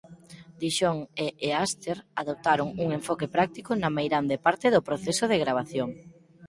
Dixon e Easter adoptaron un enfoque práctico na meirande parte do proceso de gravación.